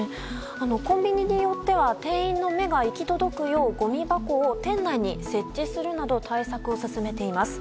コンビニによっては店員の目が行き届くようごみ箱を店内に設置するなど対策を進めています。